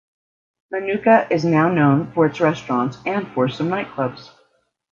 Manuka is now known for its restaurants and for some nightclubs.